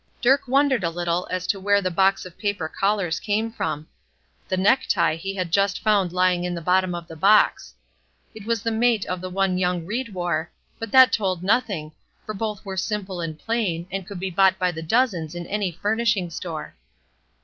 Dirk wondered a little as to where the box of paper collars came from. The necktie he had just found lying in the bottom of the box. It was the mate of the one young Ried wore, but that told nothing, for both were simple and plain, and could be bought by the dozens in any furnishing store.